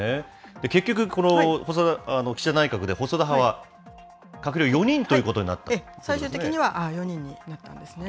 結局、この岸田内閣で、細田派は閣僚４人ということになったとい最終的には４人になったんですね。